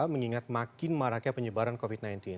mengingat makin maraknya penyebaran covid sembilan belas